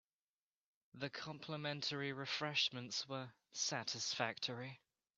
The complimentary refreshments were satisfactory.